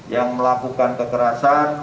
yang melakukan kekerasan